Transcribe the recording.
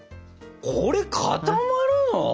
これ固まるの？